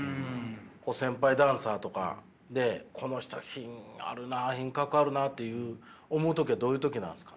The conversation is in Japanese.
先輩ダンサーとかでこの人は品があるな品格あるなっていう思う時はどういう時なんですか？